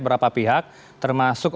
beberapa pihak termasuk